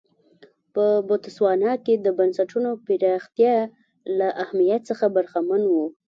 په بوتسوانا کې د بنسټونو پراختیا له اهمیت څخه برخمن و.